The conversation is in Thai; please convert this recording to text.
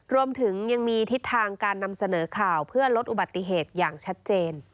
รวมถึงยังมีทิศทางการนำเสนอข่าวเพื่อลดอุบัติเหตุอย่างชัดเจน